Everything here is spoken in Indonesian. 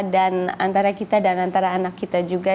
dan antara kita dan antara anak kita juga